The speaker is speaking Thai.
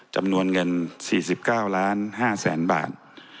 จำนวนเงิน๔๙ล้าน๕แสนบาท